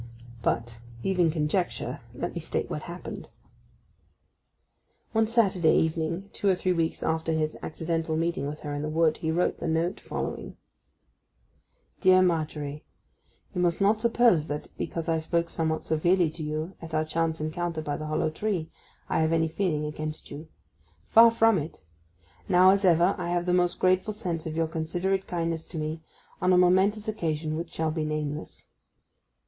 But, leaving conjecture, let me state what happened. One Saturday evening, two or three weeks after his accidental meeting with her in the wood, he wrote the note following:— DEAR MARGERY,— You must not suppose that, because I spoke somewhat severely to you at our chance encounter by the hollow tree, I have any feeling against you. Far from it. Now, as ever, I have the most grateful sense of your considerate kindness to me on a momentous occasion which shall be nameless.